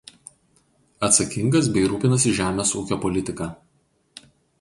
Atsakingas bei rūpinasi žemės ūkio politika.